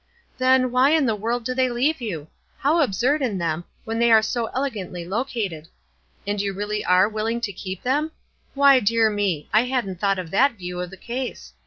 "Then, why in the world do they leave you? How absurd in them, when they are so elegant ly located ! And you really are willing to keep them? Why, dear me ! I hadn't thought of that view of the case.